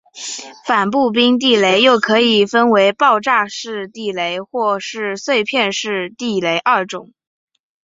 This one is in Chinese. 反步兵地雷又可以分为爆炸式地雷或是碎片式地雷二种。